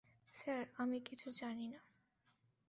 Sir, আমি কিছু জানি না।